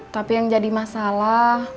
tapi yang jadi masalah